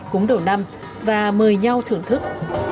cúng đổ năm và mời nhau thưởng thức